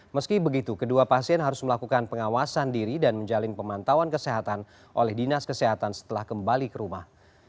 meski begitu kedua pasien harus melakukan pengawasan diri dan menjalin pemantauan kesehatan oleh dinas kesehatan setelah kembali ke rumah